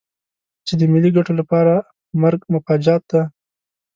چې د ملي ګټو لپاره مرګ مفاجات دی.